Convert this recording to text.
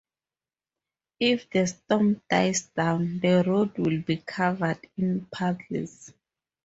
If the storm dies down, the road will be covered in puddles.